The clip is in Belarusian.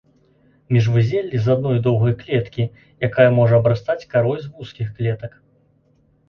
Міжвузеллі з адной доўгай клеткі, якая можа абрастаць карой з вузкіх клетак.